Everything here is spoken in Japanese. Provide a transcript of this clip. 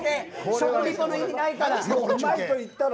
食リポの意味がないから。